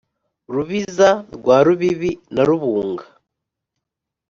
rubiza rwa rubibi na rubunga,